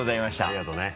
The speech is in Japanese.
ありがとうね。